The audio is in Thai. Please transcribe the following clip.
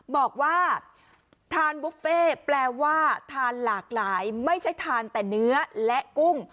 บอกว่าทานบุฟเฟ่แปลว่าทานหลากหลายไม่ใช่ทานแต่เนื้อและกุ้ง